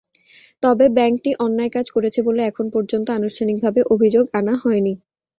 তবে ব্যাংকটি অন্যায় কাজ করেছে বলে এখন পর্যন্ত আনুষ্ঠানিকভাবে অভিযোগ আনা হয়নি।